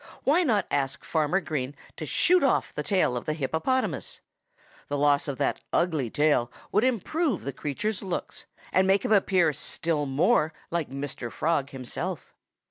Why not ask Farmer Green to shoot off the tail of the hippopotamus? The loss of that ugly tail would improve the creature's looks, and make him appear still more like Mr. Frog himself.